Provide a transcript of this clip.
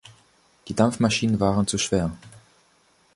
Die Dampfmaschinen waren zu schwer.